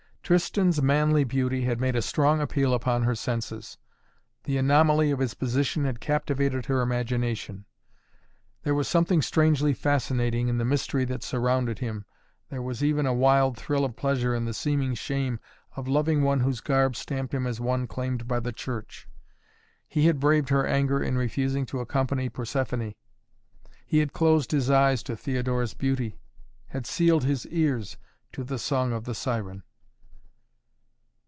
Tristan's manly beauty had made a strong appeal upon her senses. The anomaly of his position had captivated her imagination. There was something strangely fascinating in the mystery that surrounded him, there was even a wild thrill of pleasure in the seeming shame of loving one whose garb stamped him as one claimed by the Church. He had braved her anger in refusing to accompany Persephoné. He had closed his eyes to Theodora's beauty, had sealed his ears to the song of the siren.